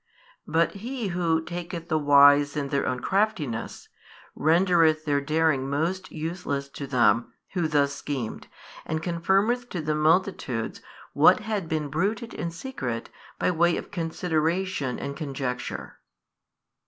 But He Who taketh the wise in their own craftiness, rendereth their daring most useless to them who thus schemed, and confirmeth to the multitudes what had been bruited in secret by way of consideration and conjecture.